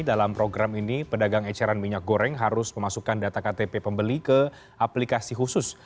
dalam program ini pedagang eceran minyak goreng harus memasukkan data ktp pembeli ke aplikasi khusus